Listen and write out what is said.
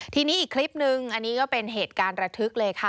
ทีนี้อีกคลิปนึงอันนี้ก็เป็นเหตุการณ์ระทึกเลยค่ะ